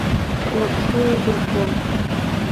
Лаԥшыла дырфон.